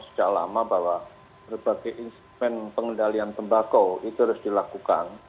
sejak lama bahwa berbagai instrumen pengendalian tembakau itu harus dilakukan